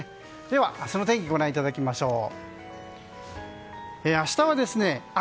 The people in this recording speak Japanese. では明日の天気をご覧いただきましょう。